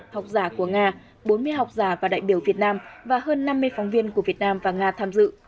học giả của nga bốn mươi học giả và đại biểu việt nam và hơn năm mươi phóng viên của việt nam và nga tham dự